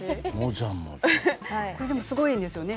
これでもすごいんですよね。